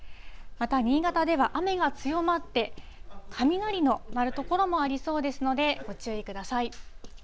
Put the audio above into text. また新潟では雨が強まって、雷の鳴る所もありそうですので、ご注意ください。